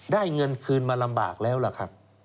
ได้เงินคืนมาลำบากแล้วล่ะครับ